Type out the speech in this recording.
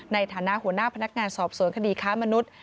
ในฐานะหัวหน้าพนักงานสอบสวนคดีค้ามนุษย์